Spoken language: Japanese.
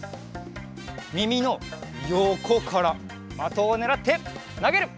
みみのよこからまとをねらってなげる！